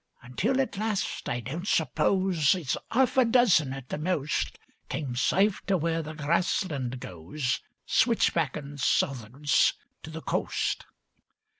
Until at last I don't suppose As 'arf a dozen, at the most, Came safe to where the grassland goes Switchbackin' southwards to the coast.